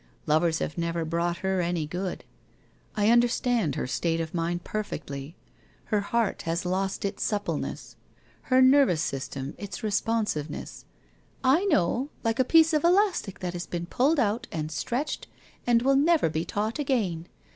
Lovers have never brought her any good. I understand her state of mind perfectly, WHITE ROSE OF WEARY LEAF 225 her heart has lost its suppleness, her nervous system its responsiveness '' I know. Like a piece of elastic that has been pulled out and stretched and will never be taut again.